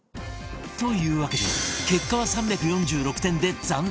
というわけで結果は３４６点で暫定